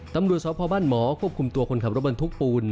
ตำรวจสพบ้านหมอควบคุมตัวคนขับรถบรรทุกปูน